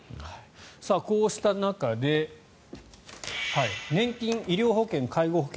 こうした中で年金、医療保険、介護保険